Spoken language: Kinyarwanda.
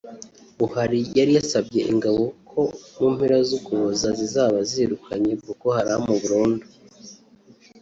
Buhari yari yasabye ingabo ko mu mpera z’Ukuboza zizaba zirukanye Boko Haram burundu